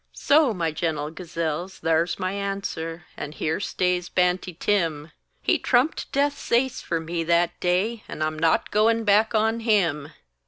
So, my gentle gazelles, thar's my answer, And here stays Banty Tim: He trumped Death's ace for me that day, And I'm not goin' back on him!